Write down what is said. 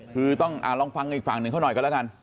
คือต้องลองฟังอีกฝั่งหนึ่งเขาหน่อยกันแล้วกัน